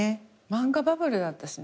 漫画バブルだったしね。